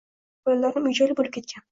Bolalarim uyli-joyli bo‘lib ketgan.